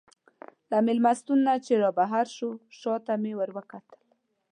له مېلمستون نه چې رابهر شوو، شا ته مې وروکتل.